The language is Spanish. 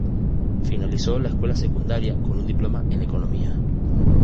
Finalizó la escuela secundaria con un diploma en economía.